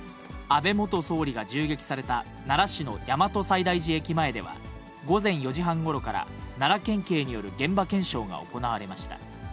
安倍元総理が銃撃された奈良市の大和西大寺駅前では、午前４時半ごろから、奈良県警による現場検証が行われました。